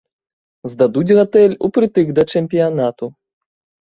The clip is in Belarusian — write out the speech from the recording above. Здадуць гатэль упрытык да чэмпіянату.